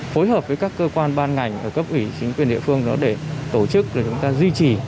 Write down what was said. phối hợp với các cơ quan ban ngành ở cấp ủy chính quyền địa phương để tổ chức